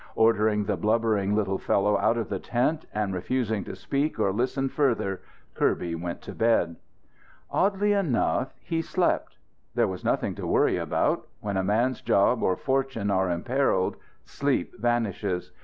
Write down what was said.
Ordering the blubbering little fellow out of the tent and refusing to speak or listen further, Kirby went to bed. Oddly enough, he slept. There was nothing to worry about. When a man's job or fortune are imperilled sleep vanishes.